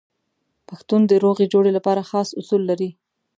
پښتون د روغې جوړې لپاره خاص اصول لري.